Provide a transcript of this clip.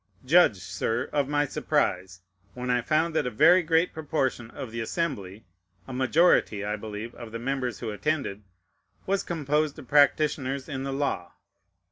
Judge, Sir, of my surprise, when I found that a very great proportion of the Assembly (a majority, I believe, of the members who attended) was composed of practitioners in the law.